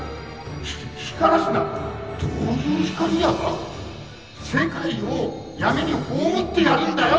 ひ光らすなどういう光だ⁉世界を闇に葬ってやるんだよ！